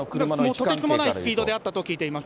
とてつもないスピードであったと聞いています。